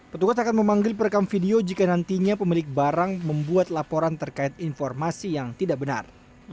petugas akan memanggil perekam video jika nantinya pemilik barang membuat laporan terkait informasi yang tidak benar